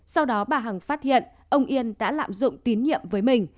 sau đó bà hằng phát hiện ông yên đã lạm dụng tín nhiệm với mình